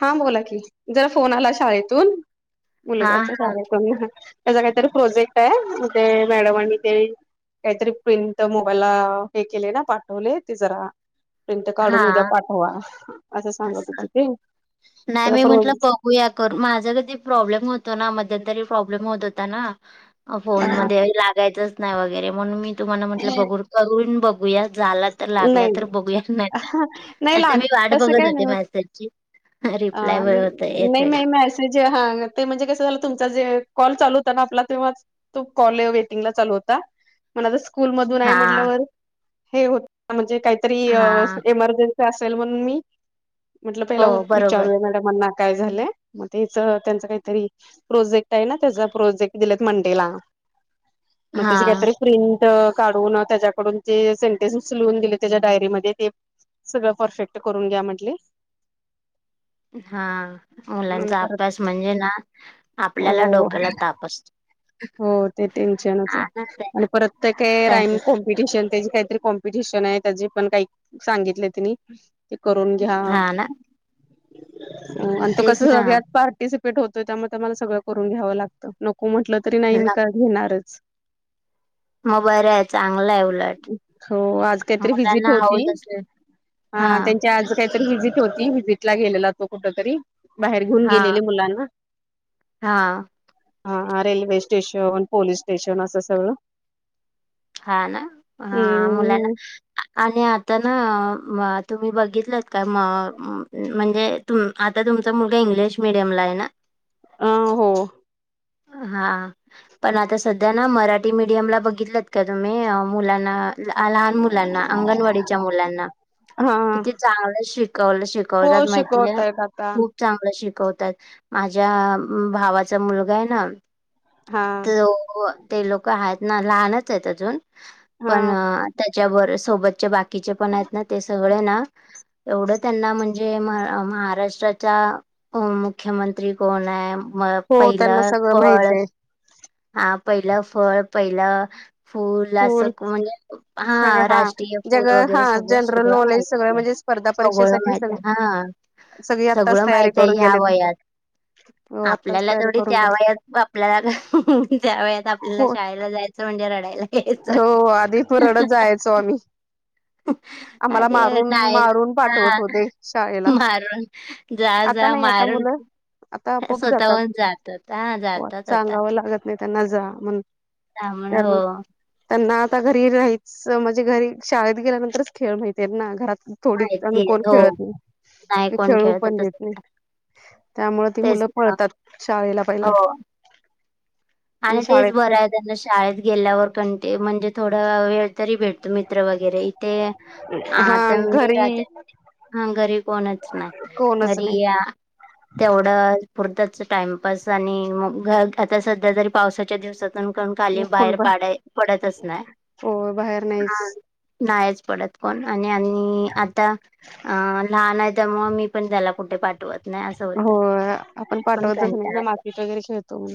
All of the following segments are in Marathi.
हा बोला की जरा फोन आला शाळेतून हा मुलग्याच्या हा शाळेतून त्याचा काहीतरी प्रोजेक्ट आहे म ते मॅडमांनी ते काहीतरी प्रिंट मोबाईलला हे केले ना पाठवले ते जरा प्रिट काढून उद्या हा पाठवा असं सांगत होते ते. नाही त्याला मी म्हटलं फोन प होया कर माझा कधी प्रॉब्लेम होतो ना मध्यंतरी प्रॉब्लेम होत होता ना अ फोन मध्ये लागायचंच नाही वगैरे म्हणून मी तुम्हाला म्हटलं बघूर करून बघ बघूया झाला तर लागला नाही तर बघूया नाही नाही आता लाग मी वाट तसं बघत काय नाही होते होत मॅसेजची. अ नाही नाही मेस ज हां ते म्हणजे कस झालं तुमचा जे कॉल चालू होता ना आपला तेव्हा तो कॉल वेटिंगला चालू होता पण आता स्कूल मधून आहे हा म्हटल्यावर हे होत म्हणजे काहीतरी हा एमर्जन्सी असेल म्हणून मी म्हटल पहिला हो बरोबर विचारूय मॅडमना. काय झालंय मग तेच त्यांच काहीतरी प्रोजेक्ट आहे ना त्याचा प्रोजेक्ट दिलेत मंडेला. मग हा त्याची काहीतरी प्रिंट काढून त्याच्याकडून ते सेंटेन्सून उचलुन दिले त्याच्या डायरीमध्ये ते सगळं परफेक्ट करून घ्या म्हटले. हा आणि मुलांचा परत अभ्यास म्हणजे ना आपल्याला हो डोक्याला ताप असतो. हो ते टेन्शनच हा ना आहे ते आणि परत ते काय राईम ते- कोम [unintelligible] त्या काहीतरी कॉम्पिटिशन आहे त्याजी पण काही सांगितल त्यांनी ते करून घ्या हा ना आणि त कस तेच सगळ्यात ना पार्टिसिपे [unintelligible] होतो त्यामुळे मला सगळं करून घ्यावं लागत नको म्हटलं तरी नाही मी घेणारच. [inaudible] मग बरं आहे चांगलं आहे उलट हो मुलांना हाऊस अस ह त्यांची आज काहीतरी विजिट होती व्हिजिटला गेलेला तो कुठ तरी. बाहेर घेऊन हा गेलेले मुलांना हा हा रेल्वे स्टेशन पोलीस स्टेशन असं सगळं. हा ना हा मुलांना हम्म आणि आता ना म तुम्ही बघितलंत काय म- म्हणजे तु आता तुमचा मुला इंग्लिश मिडियमला आहे ना. अ हो. हा पण आता सध्या ना मराठी मीडियमला बघितलंत का तुम्ही अ मुलांना लहान मुलांना अंगणवाडीच्या मुलांना हा किती चांगलं शिकवलं शि हो कवतात माहिती आहे शिकवतायत आता खुप चांगलं शिकवतात माझ्या भावाचा मुलगा आहे ना हा तो ते लोक आहेत ना लहानच आहेत अजून हा पण त्याच्या वर सोबतचे बाकीचे पण आहेत ना ते सगळे ना एवढं त्यांना म्हणजे म-महाराष्ट्राच्या अ मुख्यमंत्री कोण आहे म हो त्यांना पहिलं सगळं माहित फळ आहे हा पहिलं फळ पहिल फुल असं स्कूल म्हणजे हा सगळं राष्ट्रीय फूल जग हा वगैरे सगळं जनरल सगळं नॉलेज सगळं माहिती आहे. म्हणजे स्पर्धा सगळं परीक्षेसाठी माहित आहे हा सगळी आत्ताच सगळं तयारी माहित आहे करून ह्या गेलेत. वयात. हो आत्ताच आपल्याला तयारी तेवढी करून त्या गेले वयात आपल्यालात त्या वयात आपल्याला हो शाळेला जायचं म्हणजे रडायला यायचं हो आधी पु रडत जायचो आम्ही. [unintelligible] आम्हाला आधी मारून नाही मारून हा पाठवत होते शाळेला मारून जा आता जा नाही आता मारून मुलं आता आपोआप जातात. स्वतःहून जात होता जातात आता. सांगावं लागत नाही त्यांना जा म्हण त्या म्हण हो त्यांना आता घरी राहीच म्हणजे घरी शाळेत गेल्यानंतरच खेळ माहिती आहे ना घरात थोडी माहिती आम्ही आहे. कोण हो, खेळत नाही कोण खेळू खेळत पण होतं देत नाही की त्यामु ती तेच मुलं ना. पळतात शाळेला पहिला हो आणि तेच शाळेत बरं आहेत त्यांना शाळेत गेल्यावर कंट म्हणजे थोडा वेळ तरी भेटतो मित्र वगैरे ते हा आता मी घरी राहते हा घरी कोणच नाही कोणच नाही घरी या तेवढं पुरतच टाइमपास आणि मग आता सध्या जरी पावसाच्या दिवसातूनण खाली मुकुल बाहेर बा पाडा पडतच नाही हो बाहेर नाहीच नाहीच पडत कोण आणि आणि आता अ लहान आहे त्यामु मी पण त्याला कुठे पाठवत नाही असं हो होतं आपण पण पाठवतच नाही कंटाळा ना येतो. मातीत वगैरे खेळतो म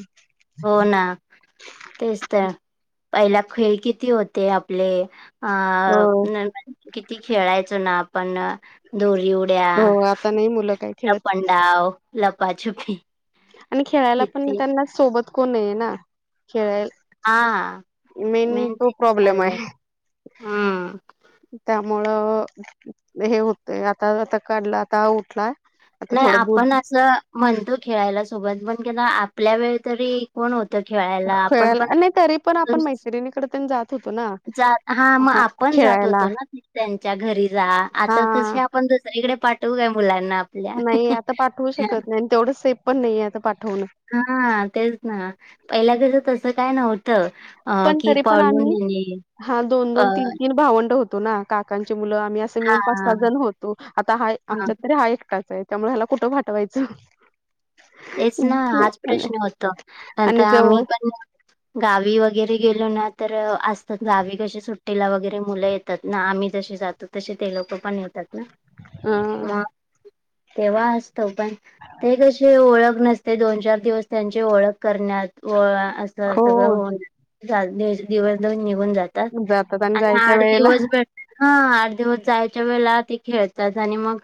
हो ना तेच तर पहिला खेळ किती होते आपले अ हो किती खेळायचो ना आपण दोरी उड्या हो आता नाही मुलं काय खेळत लपनडाव लपाछुपी आणि खेळायला पण किती त्यांना सोबत कोणय आहे ना खेळायला हा मेन तो चा प्रॉब्लेम आहे हम्म त्यामुळं हे होतंय आता आता काढला आता उठला आता नाही थोडं आपण दूध असं म्हणतो खेळायला सोबत म्हण के ना आपल्या वेळ तरी कोण होत खेळायला आपण पण खेळायला नाही तरी पण आपण मैत्रिणीकडे तेन जात होतो ना. हा मग आपण जात होतो ना त्यांच्या घरी जा हा. आता तसे पण दुसरीकडे पाठवू का मुलांना आपल्या नाही आता पाठवू शकत नाही तेवढं सेफ पण नाहीे आता पाठवणं हा तेच ना पहिल्या घरी तसं काय नव्हतं अ, पण की तरी पण पळून आम्ही येणे हा दोन अ, दोन तीन तीन भावंड होतो ना काकांची मुलं आम्ही अस हा मिळून पाच सात जण होतो आता हा आमच्यात तरी हा एकटाच आहे त्यामुळे हला कुठं पाठवायचं तेच ना हाच प्रश्न होतो आणि नता आम जवळ मही पण गावी वगैरे गेलो ना तर असतात गावी कशी सुट ेला वगैरे मुलं येतात ना आम्ही जसे जातो तसे ते लोक पण येतात ना अ मग तेव्हा असतो पण ते कशी ओळख नसते दोन चार दिवस त्यांची ओळख करण्यात असं सगळं हो होऊन दिवस दन निघून जातात जातात आणि जायच्या आठ वेळेला दिवस भे हा आठ दिवस जायच्या वेळे ते खेळतात आणि मग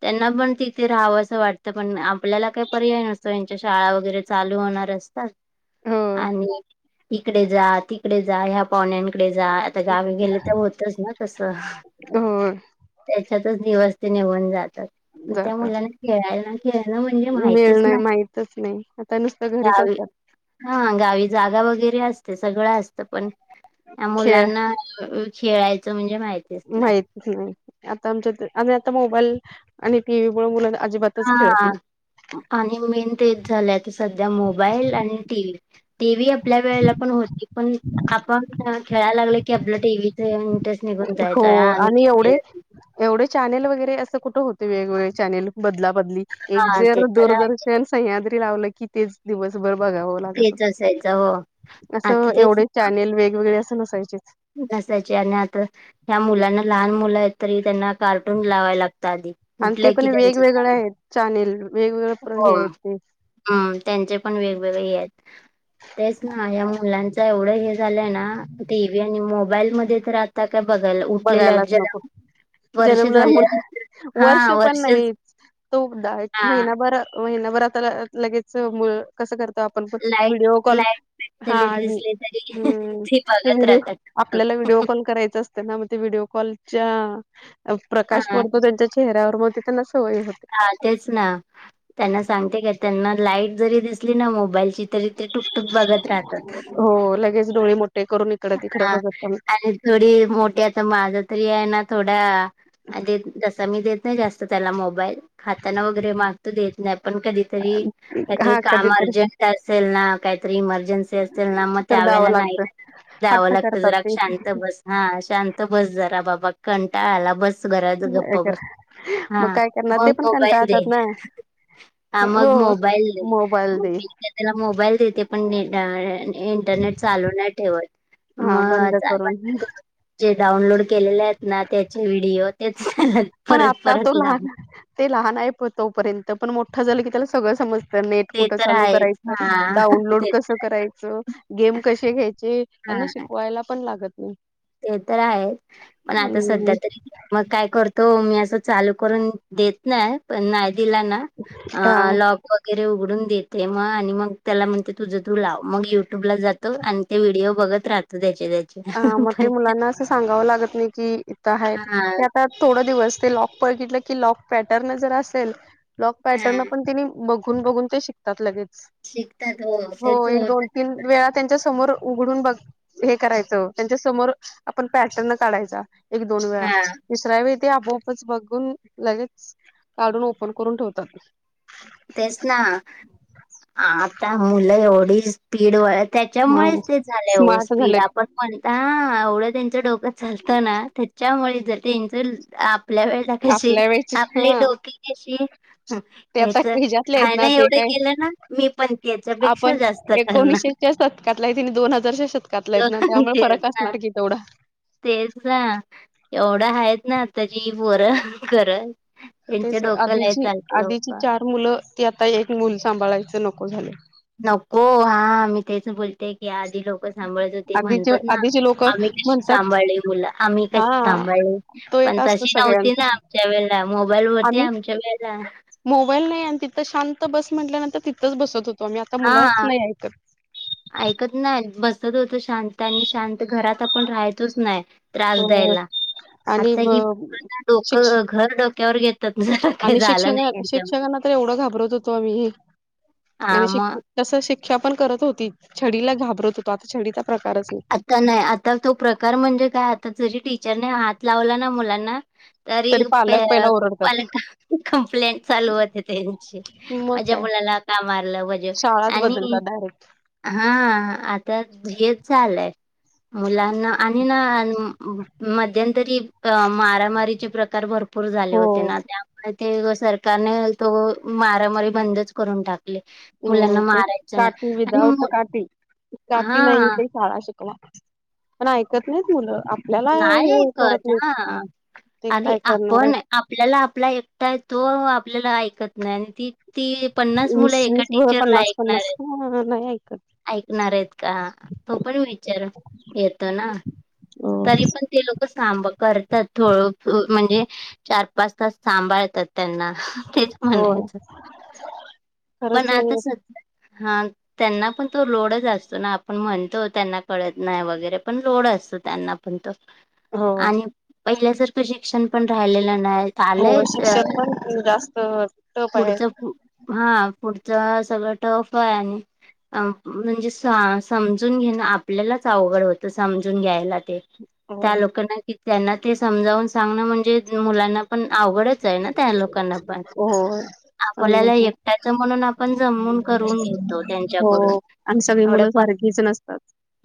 त्यांना पण तिथे राहावं असं वाटतं पण आपल्याला काही पर्याय नसतो यांच्या शाळा वगैरे चालू होणार असतात हो आणि इकडे जा तिकडे जा ह्या पहण्याकडे जा आता गावी गेले तर होतच ना तस हो त्याच्यातच दिवस ते निघन जातात त्या मुलांना खेळायला खेळ मिळणं माहितच नाही आता नुसतं घरीच गावी असतात हा गावी जागा वगैरे असते सगळं असतं पण त्या खेळ मुलांना खेळायचं म्हणजे माहित माहित नाही आता आमच्या आ आता मोबाईल आणि टीव्ही मु मुला अजिबात हा आणि मेन तेच झालं तर सध्या मोबाईल आणि टी व्ही टी व्ही आपल्या वेळेला पण होती पण आपण खेळायला लागल की आपलं टीव्हीच इंटरेस्ट निघून हो जायचा हां, आम्ही आणि एवढे खेळलेलं एवढे चॅनेल वगैरे असं कुठं होते वेगवेगळे चॅनेल बदला बदली एक हा ते जर तर आहे दूरदर्शन त्या सह्याद्री लावलं की तेच दिवसभर बघावं तेच असायचं हो आता असं तेच एवढे चॅनेल वेगवेगळे अस नसायचे नसायचे आणि आता ह्या मुलांना लहान मुलं आहेत तरी त्यांना कार्टून लावाय लागत आधी उठलं की त्यांच चालू चानेल वेगवेगळ प्र हे आहेत ते हम्म त्यांचे पण वेगवेगळे आहेत तेच ना या मुलांच एवढं हे झालंय ना टीव्ही आणि मोबाईल मध्ये तर आ काय बघायला उठलेल्या जरा जन्मला मुल हा वर्ष पण नाही वर्षच तोदा एक हा महिनाभर महिनाभर आता लगेच मुळ कसं करतो आपण पण लाईट व्हिडिओ कॉल लाईट हा पेटलेली दिसली तरी हम्म ते बघत व्हिडिओ राहतात. आपल्याला व्हिडिओ कॉल करायचां त्यांना मग ते व्हिडिओ कॉलच्या प्रकाश हा पडतो त्यांच्या चेहऱ्यावर मग ते त्यांना सवय होते तेच ना त्यांना सांगते का त्यांना लाईट जरी दिसली ना मोबाईलची तरी ते बघत राहतात. हो लगेच डोळे मोठे करून इकडं तिकडं हा बघत आणि थोडी मोठी आता माझं तरी आहे ना थोडा देत जसा मी देत नाही जास्त त्याला मोबाईल खाताना वगैरे माग तो देत नाही पण कधी तरी त्यातील हा काम कधीतरी अरजनट असेल ना काहीतरी इमर्जेनसी असेल ना मग तर द्यावं त्यावेळला नाही लागतं. जावं हट्ट लागत करतात जरा ते शांत बस हा शांत बस जरा बाबा कंटाळाला बस घरा हे गप्प कर बस हा मग काय करणार ते मग पण मोबाईल दे कंटाळतात ना. ह मग हो मोबाईल मोबाईल दे त्याला मोबाईल देते पण इंटरनेट चालू नाही ठेवत हा बंद मग करून आपण जे डाउनलोड केलेले आहेत ना त्याचे व्हिडिओ तेच चालल पण आता तो लहान ते लहान आहे प तोपर्यंत पण मोठं झालं की त्याला सगळं समज तर नेट ते कुठं तर चालू आहेच करायचं हा डाउनलोड ते कसं करायचं गेम कसे घ्यायचे हा त्यांना शिकवायला पण लागत नाही ते तर आहे पण आता सध्या हम्म तरी मग काय करतो मी अस चालू करून देत नाही पण नाही दिला ना हा आ लॉक. वगैरे उघडून देते मग आणि मग त्याला म्हणते तुझं तू लाव मग युट्यूबला जात. आणि ते व्हिडिओ बघत राहतो त्याचे. अ मग ते पण मुलांना असं सांगावं लागत नाही कि इथं आहे. हा थोड दिवस ते लॉक बघितलं की लॉक पॅटर्न जर असेल लॉक पॅटर्न हा पण तिनी. बघून बघून ते शिकतात लगेच शिकतात हो तेच एक होत दोन तीन वेळा त्यांच्या समोर उघडून बघ हे करायचं त्यांच्या समोर आपण पॅटर्न काढायचा एक दोन वेळा हा तिसऱ्या वेळी ते आपोआपच बघून लगेच काढून ओपन करून ठेवतात तेच ना आता मुलं एवढी स्पीड वळत हा त्याच्यामुळेच ते झाले हो स्मार्ट स्पीड झालेत आपण म्हणता एवढं त्यांचं डोकं चालतं ना त्याच्यामुळे ज त्यांच आपल्या वेळला कशी आपल्या वेळेचे आपले हा डोके कशी हिजातले हाय आहेत ना ते एवढं काय केलं ना मी पण त्याच्यापेक्षा आपण जास्त करणार एकोणीशे शतकातलाय आणि दोन हजारच्या शतकातला तर आहेत ना त्यामुळे तेच फरक ना असणार की तेवढा तेच ना एवढं आहेत ना आताची बर करत तेच आधीची आधीची चार मुलं ती आता एक मुल सांभाळायच नको झाले नको हा मी तेच बोलते की आधी लोक. सांभाळायचं ते आधीचे म्हणतात ना आधीचे लोक आम्ही कशी म्हणतात सांभाळले मुला आम्ही कशी हा सांभाळले. तो एक पण असतो तशी नव्हती ना सगळ्यांचा आमच्या वेळेला मोबाईल वरती आम्ही आमच्या वेला. मोबाईल नाही आणि तिथं शांत बस म्हटल्यानंतर तिथंच बसत होतो आम्ही आता मुलाच हा नाही ऐकत. ऐकत नाही बसत होत शांत आणि शांत घरात आपण राहायचोच नाही. त्रास हो द्यायला आणि आता ब हि शिक्ष डोकं घर डोक्यावर घेतात. काही आणि झालं नाही शिक्षक यांच्या शिक्षकांना तर एवढं घाबरत होतो आम्ही हा आणि मग शिक्. तस शिक्षा पण करत होती छडीला घाबरत होतो आता छडीचा प्रकारच नाही. आता नाही आता तो प्रकार म्हणजे काय आता जरी टीचरने हात लावला ना मुलांना तरी प पालक पहिला ओरडतात पालक कंप्लेंट चालू होते त्यांची मग माझ्या काय मुलाला का मारलं म्हजे शाळाच आणि बदलतात डायरेक्ट हा आता हे चाललंय मुलांना आणि ना मध्यंतरी मार मारामारीचे प्रकार भरपूर झाले हो होते ना त्यामूळ ते सरकारने तो मारामारी बंदच करून टाकले. अ काठी विदाउट काठी हा काठी नाही ते शाळा शिकवा. पण ऐकत नाहीत मुलं आपल्याला नाही हे करत ऐकत नाही हा ते आणि काय करणार आहेत. आपण आपल्याला आपला एकटा आहे तो आपल्याला ऐकत नाही आणि ती ती पन्नास मुलं वीस एका वीस ब टीचरला पन्नास ऐकणार पन्नास आहेत. नाही ऐकत. ऐकणार आहेत का तो पण विचार येतो ना. तरी पण ते लोक काम करतात थोड म्हणजे! चार पाच तास सांभाळतात त्यांना. तेच होय म्हणायचं पण खरंच आता नाही सध्या हा त्यांना पण तो लोडच असतो ना आपण म्हणतो त्यांना कळत नाही वगैरे पण लोड असतो. त्यांना पण तो, हो आणि पहिल्यासारखं शिक्षण पण राहिलेलं नाय. हो शिक्षण पण जास्त टफ आहे. पुढचं हा पुढचं सगळं टफ आहे आणि अ म्हणजे समजून घेणं आपल्यालाच अवघड होतं समजून घ्यायला. हो त्या लोकांना त्यांना ते समजावून सांगण म्हणजे मुलांना पण आवडच आहे ना त्या लोकांना पण. हो! आपल्याला समज एकट्याचं म्हणून आपण जमून करून घेतो हो त्यांच्याकडून. आणि सगळी एवढ्या मुलं पण सारखीच नसतात.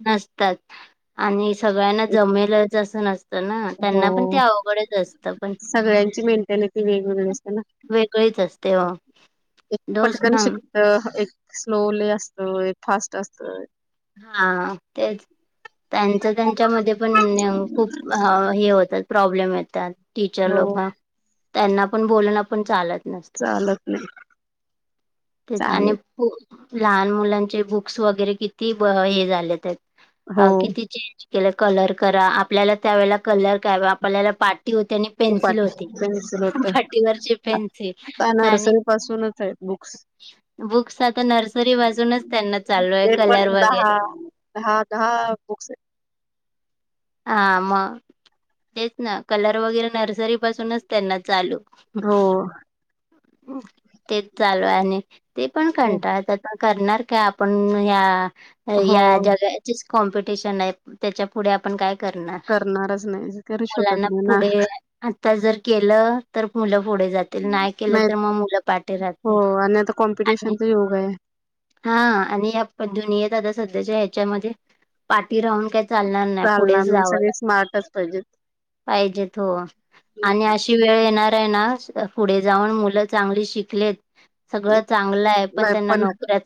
नसतात आणि सगळ्यांना जमेलचं नस तना, हो त्यांना पण ते अवघडच असत पण सगळ्यांची मेंटॅलिटी वेगवेगळी असते ना वेगळीच असते ओ एक डोस पटकन ना शिकत एक स्लोली असतं एक फास्ट असतं. हा तेच त्यांच त्यांच्यामध्ये पण खूप हे होतात. प्रॉब्लेम येतात टीचर हो लोक त्यांना पण बोलणं पण चालत चालत नाही तेच आणि चालेल लहान मुलांचे बुक्स वगैरे किती हे झालेत आहेत. हो अ किती चेंज! त्याला कलर करा आपल्याला त्यावेेळेला कलर का आपल्याला पाटी होते आणि पेन्सिल उपाट होती पेन्सिल होत पाटीवरची पेन्सिल का आणि नर्सरी पासूनच आहेत बुक्स बुक्स आता नर्सरी पासूनच त्यांना चालू ते आहेत. पण दहा दहा बुक्स आहेत. हा मग तेच ना कलर वगैरे नर्सरी पासूनच त्यांना चालू [inaudible] हो तेच चालू आणि ते पण कंटाळता आता करणार का आपण या हो या जगाचीच कॉम्पिटिशन आहे त्याच्या पुढे आपण काय करणार करणारच नाही करू शकत मुलांना नाही ना पुढे आता जर केलं तर मुलं पुढे जात नाही केलं तर मग मुलं पाठीे हो राहते आणि आता आणि कॉम्पिटिशनचा योग आहे हा आणि या दुनियेत आता सध्याच्या ह्याच्यामध्ये पाठी राहून काय चालणार ना पुढे चालणार नाही जावं सगळे स्मार्टच पाहिजेत पाहिजे आणि अशे ती वेळ येणार आहे ना पुढे जाऊन मुलं चांगली शिकलेत सगळं चांगलंय पण त्यांना नोकऱ्याच